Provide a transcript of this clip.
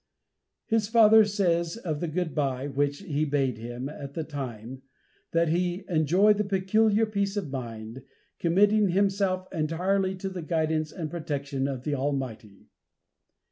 His father says of the "good bye" which he bade him, at the time, that "he enjoyed peculiar peace of mind, committing himself entirely to the guidance and protection of the Almighty."